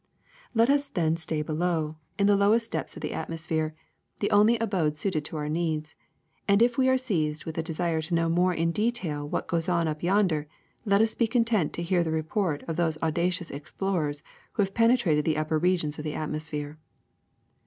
Let us then stay below, in the lowest depths of the SU THE SECRET OF EVERYDAY THINGS atmosphere, the only abode suited to our needs ; and if we are seized with a desire to know more in detail what goes on up yonder, let us be content to hear the report of those audacious explorers who have penetrated the upper regions of the atmosphere.